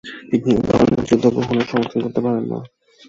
তিনি এ ধরনের যুদ্ধ কখনোই সমর্থন করতে পারেন না।